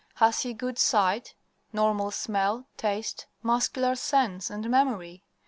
Has he good sight, normal smell, taste, muscular sense, and memory?